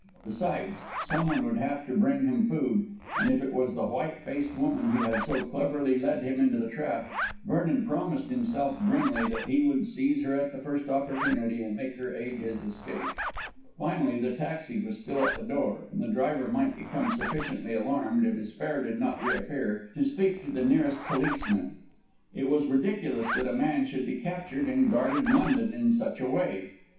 Besides, someone would have to bring him food, and if it was the white faced woman who had so cleverly led him into the trap, Vernon promised himself grimly that he would seize her at the first opportunity and make her aid his escape. Finally, the taxi was still at the door, and the driver might become sufficiently alarmed if his fare did not reappear to speak to the nearest policeman. It was ridiculous that a man should be captured in guarded London in such a way.